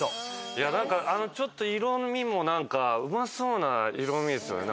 いやちょっと色味も何かうまそうな色味ですよね。